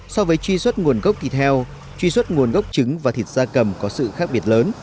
so với truy xuất nguồn gốc thịt heo truy xuất nguồn gốc trứng và thịt da cầm có sự khác biệt lớn